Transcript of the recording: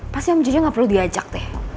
pasti om jojo gak perlu diajak teh